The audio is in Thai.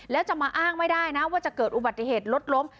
แล้วจะมาอ้างไม่ได้นะว่าจะเกิดอุบัติเหตุรถล้ม